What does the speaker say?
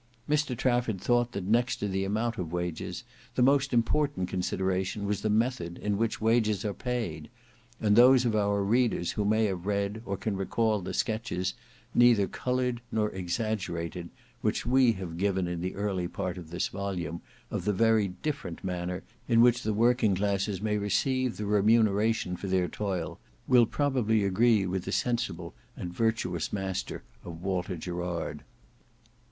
Mr Trafford thought that next to the amount of wages, the most important consideration was the method in which wages are paid; and those of our readers who may have read or can recall the sketches, neither coloured nor exagerated, which we have given in the early part of this volume of the very different manner in which the working classes may receive the remuneration for their toil, will probably agree with the sensible and virtuous master of Walter Gerard.